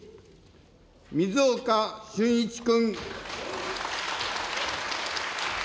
水岡俊一君。